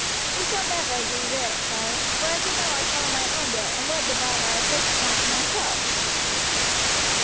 "We shall never agree there, sire, for as you know I followed my own will and wed the bride I had fixed upon for myself."